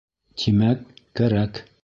Тимәк, кәрәк.